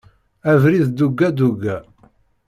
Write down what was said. Abrid duga duga.